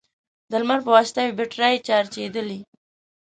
د لمر په واسطه يې بېټرۍ چارجېدلې،